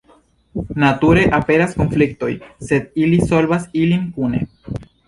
Nature, aperas konfliktoj, sed ili solvas ilin kune.